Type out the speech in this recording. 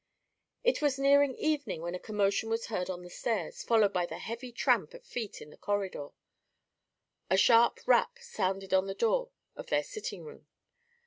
It was nearing evening when a commotion was heard on the stairs, followed by the heavy tramp of feet in the corridor. A sharp rap sounded on the door of their sitting room.